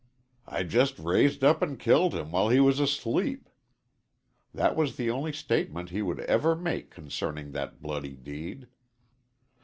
"I just raised up and killed him while he was asleep!" That was the only statement he would ever make concerning that bloody deed.